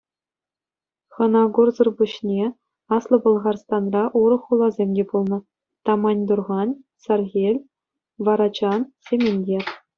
Хӑнакурсӑр пуҫне Аслӑ Пӑлхарстанра урӑх хуласем те пулнӑ: Таманьтурхан, Саркел, Варачан, Сементер.